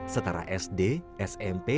setara sd sm dan b